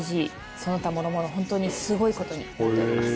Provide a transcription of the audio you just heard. その他もろもろホントにすごいことになっております